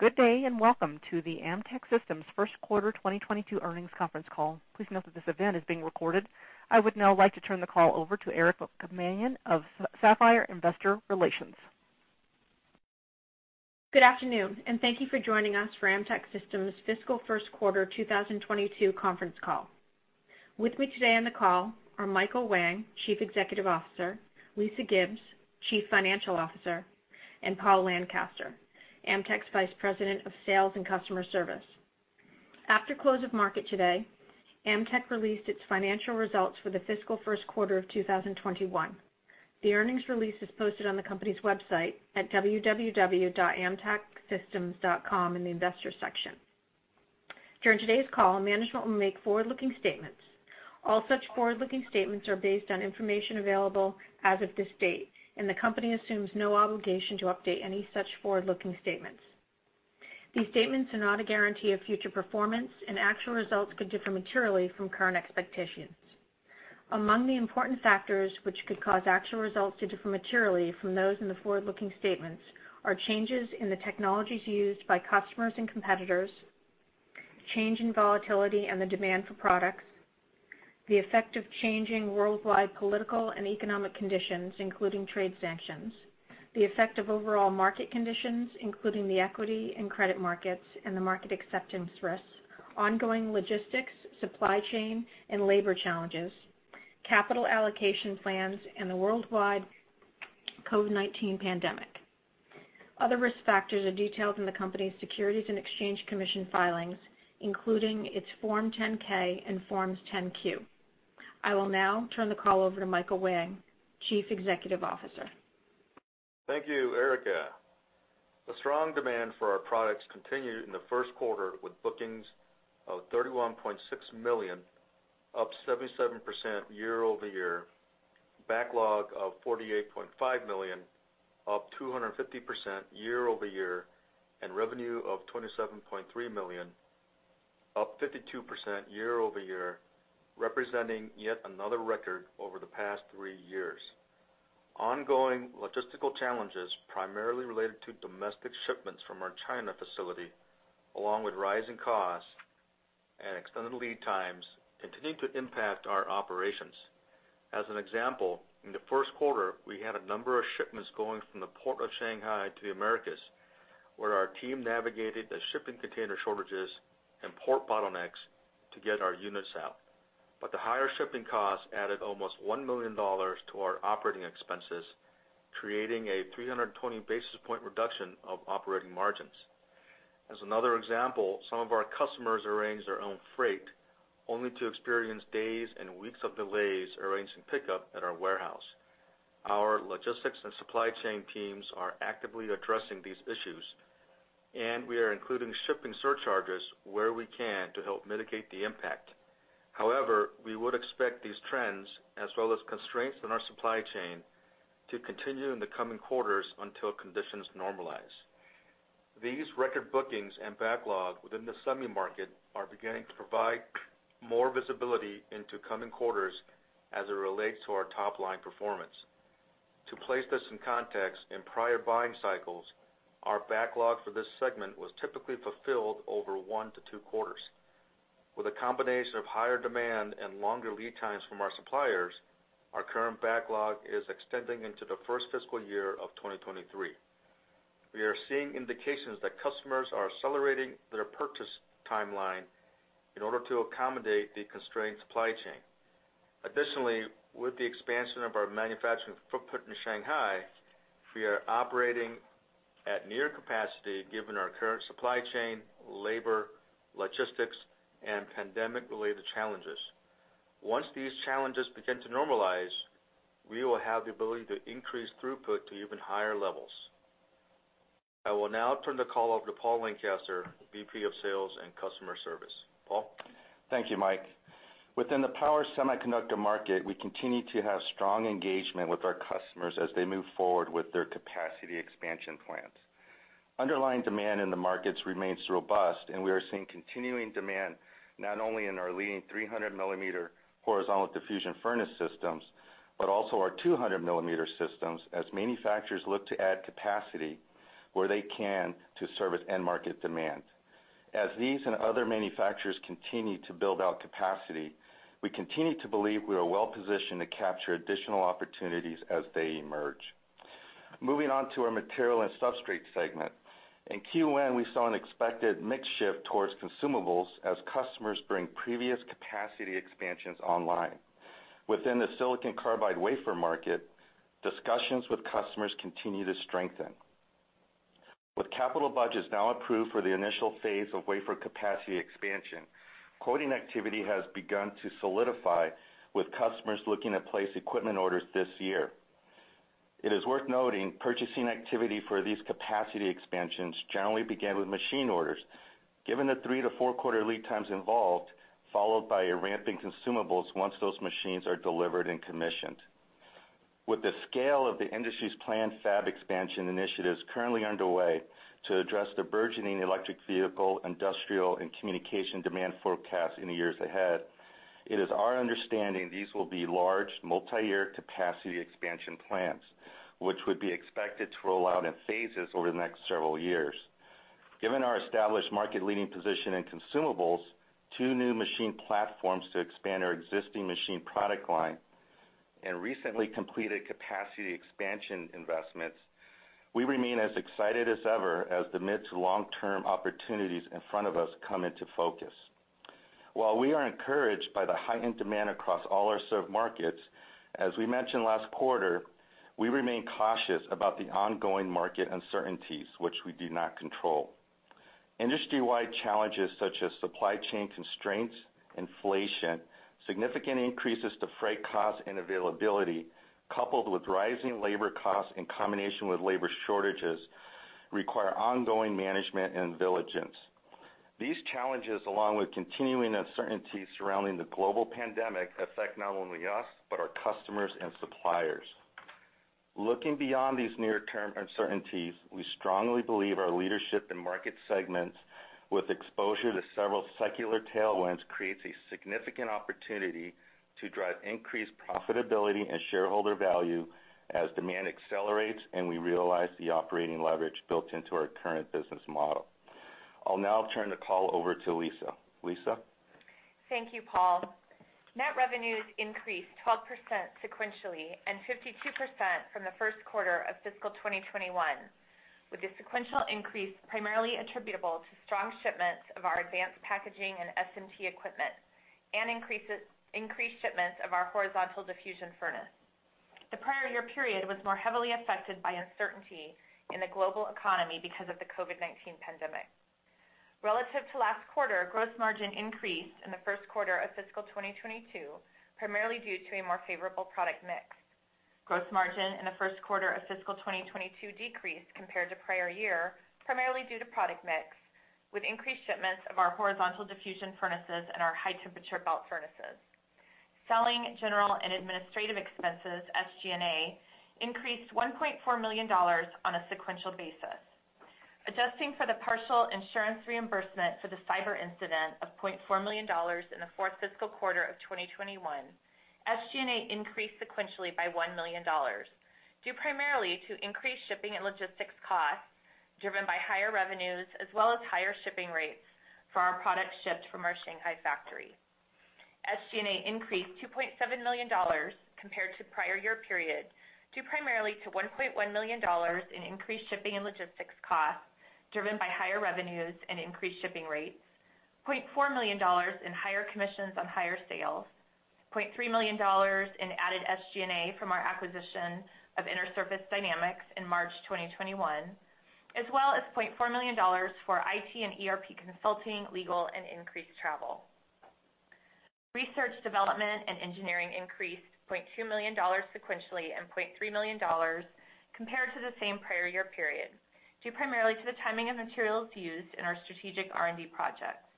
Good day, and welcome to the Amtech Systems first quarter 2022 earnings conference call. Please note that this event is being recorded. I would now like to turn the call over to Erica Mannion of Sapphire Investor Relations. Good afternoon, and thank you for joining us for Amtech Systems' fiscal first quarter 2022 conference call. With me today on the call are Michael Whang, Chief Executive Officer, Lisa Gibbs, Chief Financial Officer, and Paul Lancaster, Amtech's Vice President of Sales and Customer Service. After close of market today, Amtech released its financial results for the fiscal first quarter of 2021. The earnings release is posted on the company's website at www.amtechsystems.com in the investors section. During today's call, management will make forward-looking statements. All such forward-looking statements are based on information available as of this date, and the company assumes no obligation to update any such forward-looking statements. These statements are not a guarantee of future performance, and actual results could differ materially from current expectations. Among the important factors which could cause actual results to differ materially from those in the forward-looking statements are changes in the technologies used by customers and competitors, change in volatility and the demand for products, the effect of changing worldwide political and economic conditions, including trade sanctions, the effect of overall market conditions, including the equity and credit markets and the market acceptance risks, ongoing logistics, supply chain and labor challenges, capital allocation plans, and the worldwide COVID-19 pandemic. Other risk factors are detailed in the company's Securities and Exchange Commission filings, including its Form 10-K and Form 10-Q. I will now turn the call over to Michael Whang, Chief Executive Officer. Thank you, Erica. Strong demand for our products continued in the first quarter, with bookings of $31.6 million, up 77% year-over-year, backlog of $48.5 million, up 250% year-over-year, and revenue of $27.3 million, up 52% year-over-year, representing yet another record over the past 3 years. Ongoing logistical challenges, primarily related to domestic shipments from our China facility, along with rising costs and extended lead times, continue to impact our operations. As an example, in the first quarter, we had a number of shipments going from the port of Shanghai to the Americas, where our team navigated the shipping container shortages and port bottlenecks to get our units out. Higher shipping costs added almost $1 million to our operating expenses, creating a 320 basis point reduction of operating margins. As another example, some of our customers arranged their own freight, only to experience days and weeks of delays arranging pickup at our warehouse. Our logistics and supply chain teams are actively addressing these issues, and we are including shipping surcharges where we can to help mitigate the impact. However, we would expect these trends, as well as constraints in our supply chain, to continue in the coming quarters until conditions normalize. These record bookings and backlog within the semi market are beginning to provide more visibility into coming quarters as it relates to our top-line performance. To place this in context, in prior buying cycles, our backlog for this segment was typically fulfilled over one to two quarters. With a combination of higher demand and longer lead times from our suppliers, our current backlog is extending into the first fiscal year of 2023. We are seeing indications that customers are accelerating their purchase timeline in order to accommodate the constrained supply chain. Additionally, with the expansion of our manufacturing footprint in Shanghai, we are operating at near capacity given our current supply chain, labor, logistics, and pandemic-related challenges. Once these challenges begin to normalize, we will have the ability to increase throughput to even higher levels. I will now turn the call over to Paul Lancaster, VP of Sales and Customer Service. Paul? Thank you, Mike. Within the power semiconductor market, we continue to have strong engagement with our customers as they move forward with their capacity expansion plans. Underlying demand in the markets remains robust, and we are seeing continuing demand not only in our leading 300 mm horizontal diffusion furnace systems, but also our 200 mm systems as manufacturers look to add capacity where they can to service end market demand. As these and other manufacturers continue to build out capacity, we continue to believe we are well-positioned to capture additional opportunities as they emerge. Moving on to our Material and Substrate segment. In Q1, we saw an expected mix shift towards consumables as customers bring previous capacity expansions online. Within the silicon carbide wafer market, discussions with customers continue to strengthen. With capital budgets now approved for the initial phase of wafer capacity expansion, quoting activity has begun to solidify, with customers looking to place equipment orders this year. It is worth noting purchasing activity for these capacity expansions generally began with machine orders given the three to four quarter lead times involved, followed by a ramp in consumables once those machines are delivered and commissioned. With the scale of the industry's planned fab expansion initiatives currently underway to address the burgeoning electric vehicle, industrial, and communication demand forecast in the years ahead. It is our understanding these will be large multi-year capacity expansion plans, which would be expected to roll out in phases over the next several years. Given our established market leading position in consumables, two new machine platforms to expand our existing machine product line, and recently completed capacity expansion investments, we remain as excited as ever as the mid to long-term opportunities in front of us come into focus. While we are encouraged by the heightened demand across all our served markets, as we mentioned last quarter, we remain cautious about the ongoing market uncertainties, which we do not control. Industry-wide challenges such as supply chain constraints, inflation, significant increases to freight costs and availability, coupled with rising labor costs in combination with labor shortages require ongoing management and diligence. These challenges, along with continuing uncertainties surrounding the global pandemic, affect not only us, but our customers and suppliers. Looking beyond these near-term uncertainties, we strongly believe our leadership in market segments with exposure to several secular tailwinds creates a significant opportunity to drive increased profitability and shareholder value as demand accelerates and we realize the operating leverage built into our current business model. I'll now turn the call over to Lisa. Lisa? Thank you, Paul. Net revenues increased 12% sequentially, and 52% from the first quarter of fiscal 2021, with the sequential increase primarily attributable to strong shipments of our advanced packaging and SMT equipment, and increased shipments of our horizontal diffusion furnace. The prior year period was more heavily affected by uncertainty in the global economy because of the COVID-19 pandemic. Relative to last quarter, gross margin increased in the first quarter of fiscal 2022, primarily due to a more favorable product mix. Gross margin in the first quarter of fiscal 2022 decreased compared to prior year, primarily due to product mix, with increased shipments of our horizontal diffusion furnaces and our high temperature belt furnaces. Selling, general, and administrative expenses, SG&A, increased $1.4 million on a sequential basis. Adjusting for the partial insurance reimbursement for the cyber incident of $0.4 million in the fourth fiscal quarter of 2021, SG&A increased sequentially by $1 million, due primarily to increased shipping and logistics costs, driven by higher revenues as well as higher shipping rates for our products shipped from our Shanghai factory. SG&A increased $2.7 million compared to prior year period, due primarily to $1.1 million in increased shipping and logistics costs, driven by higher revenues and increased shipping rates, $0.4 million in higher commissions on higher sales, $0.3 million in added SG&A from our acquisition of Intersurface Dynamics in March 2021, as well as $0.4 million for IT and ERP consulting, legal, and increased travel. Research, development, and engineering increased $0.2 million sequentially, and $0.3 million compared to the same prior year period, due primarily to the timing of materials used in our strategic R&D projects.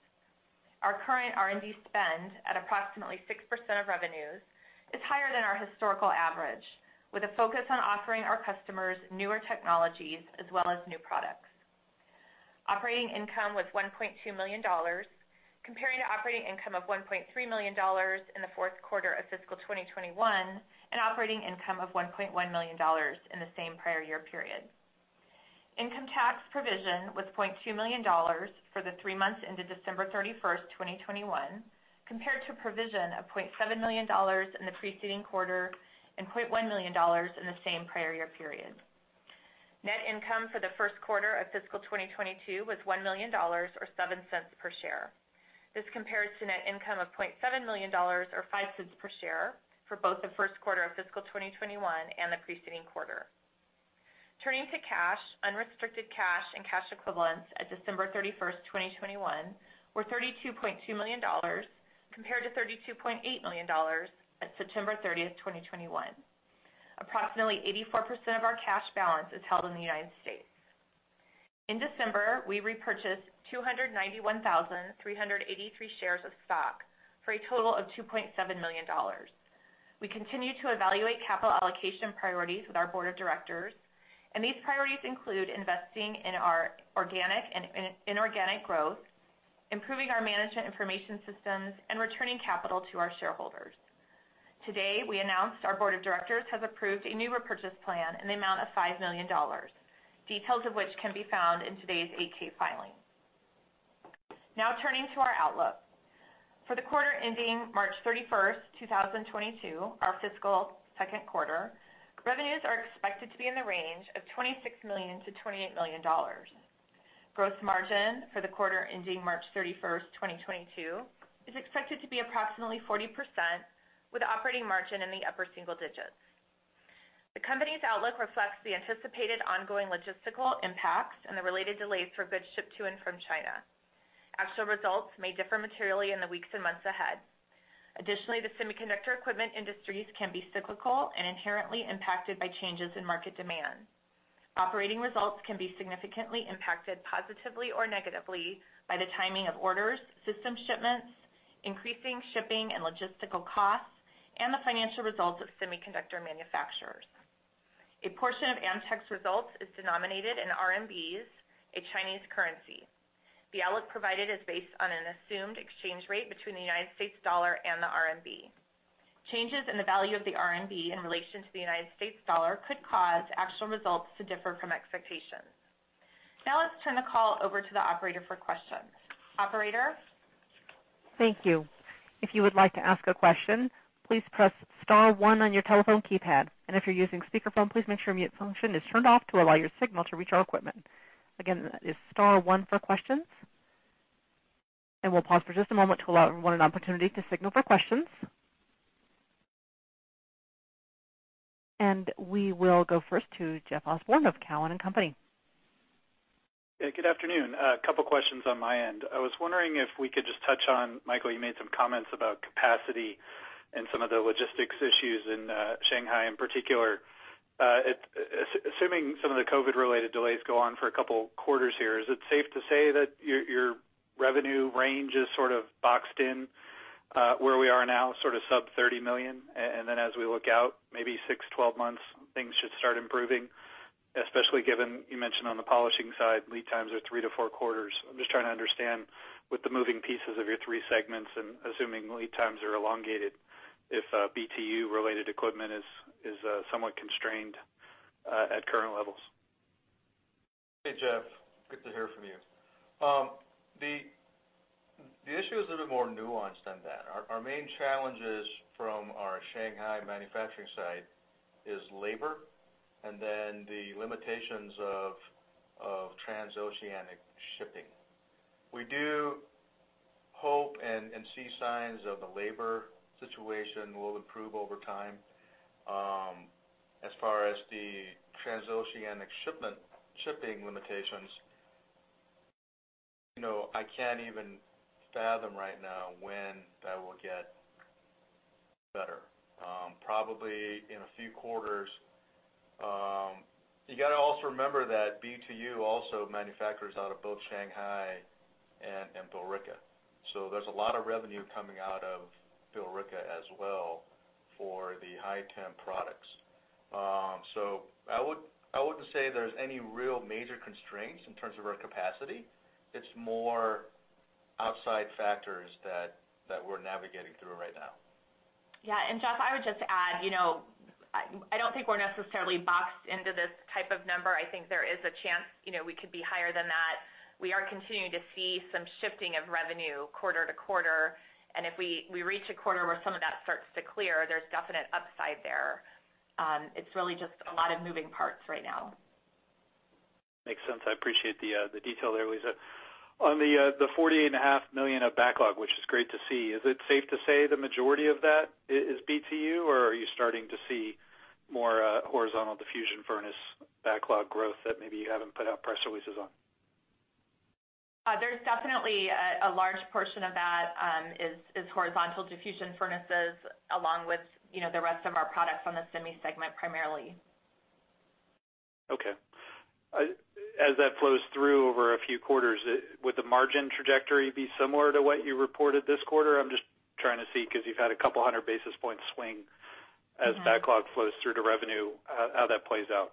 Our current R&D spend, at approximately 6% of revenues, is higher than our historical average, with a focus on offering our customers newer technologies as well as new products. Operating income was $1.2 million, comparing to operating income of $1.3 million in the fourth quarter of fiscal 2021, and operating income of $1.1 million in the same prior year period. Income tax provision was $0.2 million for the three months ended December 31st, 2021, compared to provision of $0.7 million in the preceding quarter, and $0.1 million in the same prior year period. Net income for the first quarter of fiscal 2022 was $1 million, or $0.07 per share. This compares to net income of $0.7 million, or $0.05 per share for both the first quarter of fiscal 2021 and the preceding quarter. Turning to cash, unrestricted cash and cash equivalents at December 31st, 2021 were $32.2 million, compared to $32.8 million at September 30th, 2021. Approximately 84% of our cash balance is held in the United States. In December, we repurchased 291,383 shares of stock, for a total of $2.7 million. We continue to evaluate capital allocation priorities with our board of directors, and these priorities include investing in our organic and inorganic growth, improving our management information systems, and returning capital to our shareholders. Today, we announced our board of directors has approved a new repurchase plan in the amount of $5 million, details of which can be found in today's 8-K filing. Now turning to our outlook. For the quarter ending March 31st, 2022, our fiscal second quarter, revenues are expected to be in the range of $26 million-$28 million. Gross margin for the quarter ending March 31st, 2022 is expected to be approximately 40%, with operating margin in the upper single digits. The company's outlook reflects the anticipated ongoing logistical impacts and the related delays for goods shipped to and from China. Actual results may differ materially in the weeks and months ahead. Additionally, the semiconductor equipment industries can be cyclical and inherently impacted by changes in market demand. Operating results can be significantly impacted positively or negatively by the timing of orders, system shipments, increasing shipping and logistical costs, and the financial results of semiconductor manufacturers. A portion of Amtech's results is denominated in RMBs, a Chinese currency. The outlook provided is based on an assumed exchange rate between the United States dollar and the RMB. Changes in the value of the RMB in relation to the United States dollar could cause actual results to differ from expectations. Now let's turn the call over to the operator for questions. Operator? Thank you. If you would like to ask a question, please press star one on your telephone keypad. If you're using speakerphone, please make sure mute function is turned off to allow your signal to reach our equipment. Again, that is star one for questions. We'll pause for just a moment to allow everyone an opportunity to signal for questions. We will go first to Jeff Osborne of Cowen and Company. Yeah, good afternoon. A couple questions on my end. I was wondering if we could just touch on, Michael, you made some comments about capacity and some of the logistics issues in Shanghai in particular. Assuming some of the COVID-related delays go on for a couple quarters here, is it safe to say that your revenue range is sort of boxed in where we are now, sort of sub-$30 million, and then as we look out, maybe six, 12 months, things should start improving, especially given you mentioned on the polishing side, lead times are three to four quarters. I'm just trying to understand with the moving pieces of your three segments and assuming lead times are elongated, if BTU-related equipment is somewhat constrained at current levels. Hey, Jeff, good to hear from you. The issue is a little bit more nuanced than that. Our main challenges from our Shanghai manufacturing site is labor and then the limitations of transoceanic shipping. We do hope and see signs of the labor situation will improve over time. As far as the transoceanic shipping limitations, you know, I can't even fathom right now when that will get better. Probably in a few quarters. You gotta also remember that BTU also manufactures out of both Shanghai and Billerica. So there's a lot of revenue coming out of Billerica as well for the high-temp products. I wouldn't say there's any real major constraints in terms of our capacity. It's more outside factors that we're navigating through right now. Yeah. Jeff, I would just add, you know, I don't think we're necessarily boxed into this type of number. I think there is a chance, you know, we could be higher than that. We are continuing to see some shifting of revenue quarter to quarter. If we reach a quarter where some of that starts to clear, there's definite upside there. It's really just a lot of moving parts right now. Makes sense. I appreciate the detail there, Lisa. On the $40.5 million of backlog, which is great to see, is it safe to say the majority of that is BTU, or are you starting to see more horizontal diffusion furnace backlog growth that maybe you haven't put out press releases on? There's definitely a large portion of that is horizontal diffusion furnaces along with, you know, the rest of our products on the semi segment primarily. Okay. As that flows through over a few quarters, would the margin trajectory be similar to what you reported this quarter? I'm just trying to see, because you've had a couple hundred basis points swing as backlog flows through to revenue, how that plays out.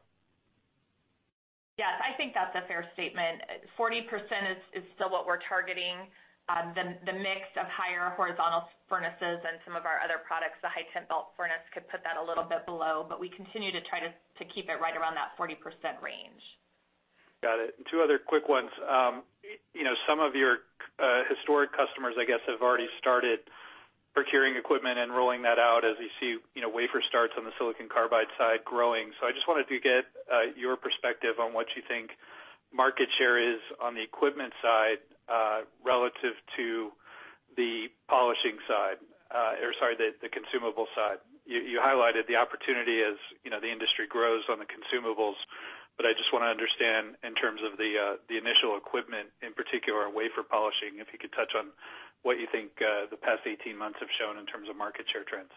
Yes. I think that's a fair statement. 40% is still what we're targeting. The mix of higher horizontal furnaces and some of our other products, the high temp belt furnace, could put that a little bit below, but we continue to try to keep it right around that 40% range. Got it. Two other quick ones. You know, some of your historic customers, I guess, have already started procuring equipment and rolling that out as you see, you know, wafer starts on the silicon carbide side growing. I just wanted to get your perspective on what you think market share is on the equipment side relative to the polishing side, or sorry, the consumable side. You highlighted the opportunity as, you know, the industry grows on the consumables, but I just wanna understand in terms of the initial equipment, in particular wafer polishing, if you could touch on what you think the past 18 months have shown in terms of market share trends.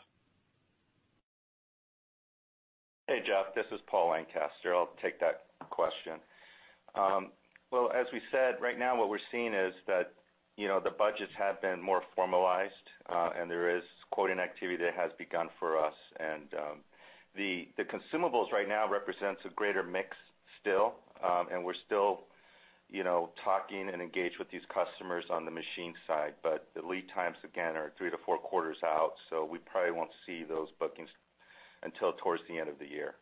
Hey, Jeff, this is Paul Lancaster. I'll take that question. Well, as we said, right now what we're seeing is that, you know, the budgets have been more formalized, and there is quoting activity that has begun for us. The consumables right now represents a greater mix still, and we're still, you know, talking and engaged with these customers on the machine side. The lead times again are three to four quarters out, so we probably won't see those bookings until towards the end of the year.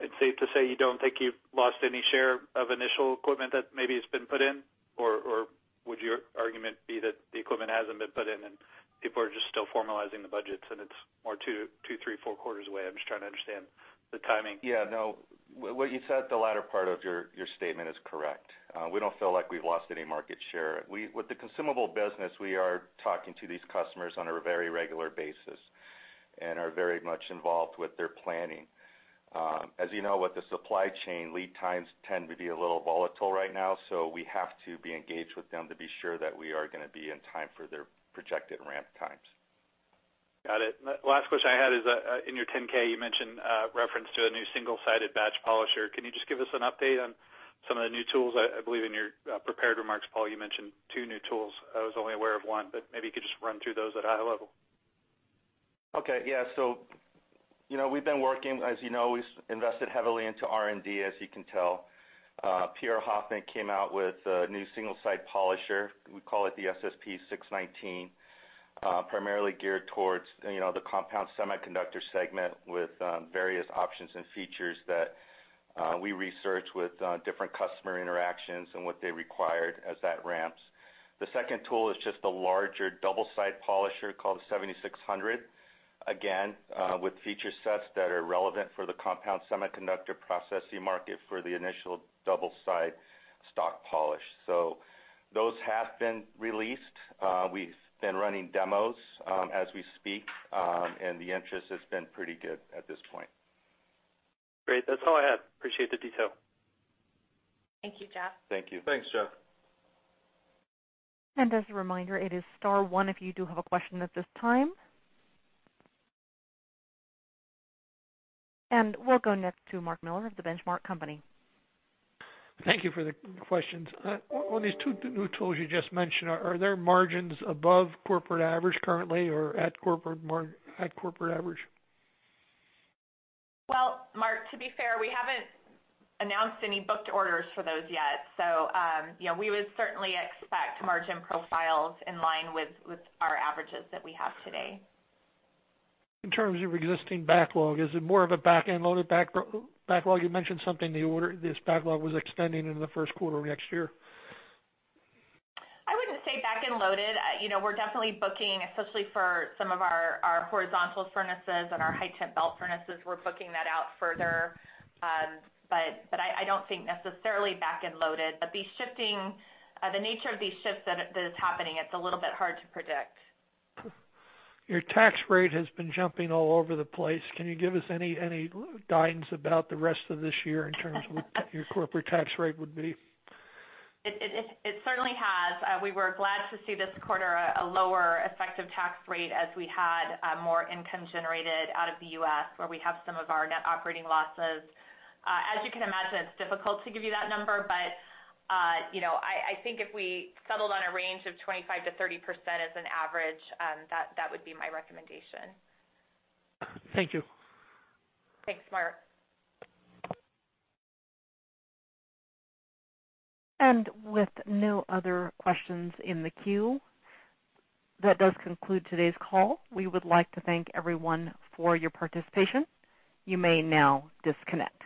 It's safe to say you don't think you've lost any share of initial equipment that maybe has been put in? Or would your argument be that the equipment hasn't been put in and people are just still formalizing the budgets and it's more two, three, four quarters away? I'm just trying to understand the timing. Yeah, no. What you said, the latter part of your statement is correct. We don't feel like we've lost any market share. With the consumable business, we are talking to these customers on a very regular basis and are very much involved with their planning. As you know, with the supply chain, lead times tend to be a little volatile right now, so we have to be engaged with them to be sure that we are gonna be in time for their projected ramp times. Got it. Last question I had is, in your 10-K, you mentioned reference to a new single-sided batch polisher. Can you just give us an update on some of the new tools? I believe in your prepared remarks, Paul, you mentioned two new tools. I was only aware of one, but maybe you could just run through those at high level. Okay. Yeah. You know, we've been working, as you know, we've invested heavily into R&D, as you can tell. PR Hoffman came out with a new single-side polisher, we call it the SSP-619, primarily geared towards, you know, the Compound Semiconductor segment with various options and features that we research with different customer interactions and what they required as that ramps. The second tool is just a larger double-side polisher called the 7600, again, with feature sets that are relevant for the Compound Semiconductor processing market for the initial double-side stock polish. Those have been released. We've been running demos, as we speak, and the interest has been pretty good at this point. Great. That's all I had. Appreciate the detail. Thank you, Jeff. Thank you. Thanks, Jeff. As a reminder, it is star one if you do have a question at this time. We'll go next to Mark Miller of The Benchmark Company. Thank you for the questions. On these two new tools you just mentioned, are their margins above corporate average currently or at corporate average? Well, Mark, to be fair, we haven't announced any booked orders for those yet, so, you know, we would certainly expect margin profiles in line with our averages that we have today. In terms of existing backlog, is it more of a back-end loaded backlog? You mentioned something, the order, this backlog was extending into the first quarter of next year. I wouldn't say back-end loaded. You know, we're definitely booking, especially for some of our horizontal furnaces and our high temp belt furnaces, we're booking that out further. I don't think necessarily back-end loaded. The nature of these shifts that is happening, it's a little bit hard to predict. Your tax rate has been jumping all over the place. Can you give us any guidance about the rest of this year in terms of what your corporate tax rate would be? It certainly has. We were glad to see this quarter a lower effective tax rate as we had more income generated out of the U.S., where we have some of our net operating losses. As you can imagine, it's difficult to give you that number, but you know, I think if we settled on a range of 25%-30% as an average, that would be my recommendation. Thank you. Thanks, Mark. With no other questions in the queue, that does conclude today's call. We would like to thank everyone for your participation. You may now disconnect.